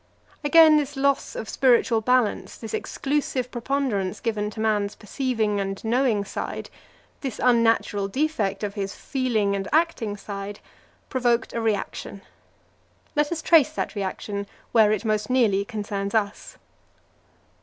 Again this loss of spiritual balance, this exclusive preponderance given to man's perceiving and knowing side, this unnatural defect of his feeling and acting side, provoked a reaction. Let us trace that reaction where it most nearly concerns us.